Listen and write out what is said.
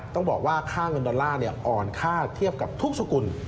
ต้องบอกว่าค่าเงินดอลลาร์อ่อนค่าเทียบกับทุกสกุล